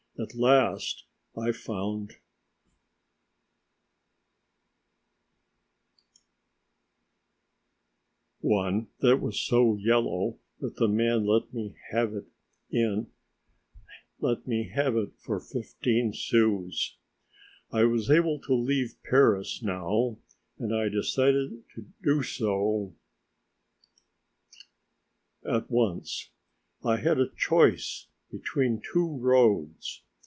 At last I found one that was so yellow that the man let me have it for fifteen sous. I was able to leave Paris now, and I decided to do so at once. I had a choice between two roads.